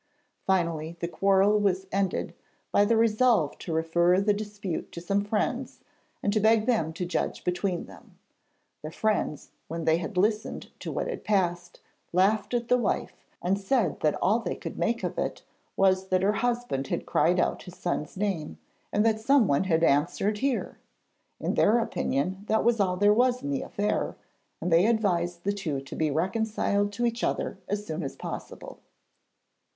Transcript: Finally the quarrel was ended by the resolve to refer the dispute to some friends and to beg them to judge between them. The friends, when they had listened to what had passed, laughed at the wife, and said that all they could make of it was that her husband had cried out his son's name, and that someone had answered 'Here.' In their opinion, that was all there was in the affair, and they advised the two to be reconciled to each other as soon as possible.